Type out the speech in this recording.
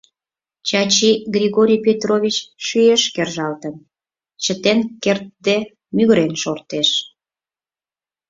Чачи, Григорий Петрович шӱеш кержалтын, чытен кертде, мӱгырен шортеш.